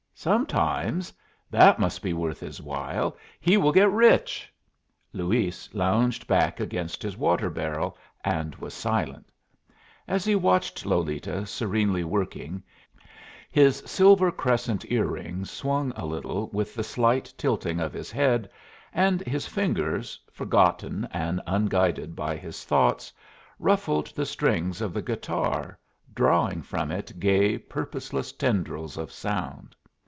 "Sometimes! That must be worth his while! He will get rich!" Luis lounged back against his water barrel, and was silent. As he watched Lolita, serenely working, his silver crescent ear rings swung a little with the slight tilting of his head, and his fingers, forgotten and unguided by his thoughts, ruffled the strings of the guitar, drawing from it gay, purposeless tendrils of sound.